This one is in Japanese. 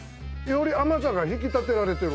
より甘さが引き立てられてる。